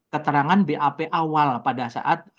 keterangan bap awal pada saat